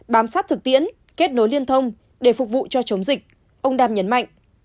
bám sát thực tiễn kết nối liên thông để phục vụ cho chống dịch ông đam nhấn mạnh